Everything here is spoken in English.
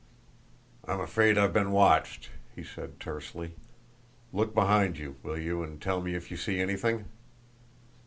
"I'm afraid I've been watched," he said tersely. "Look behind you, will you, and tell me if you see anything?"